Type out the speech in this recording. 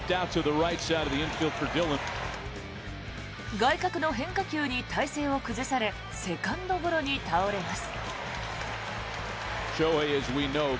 外角の変化球に体勢を崩されセカンドゴロに倒れます。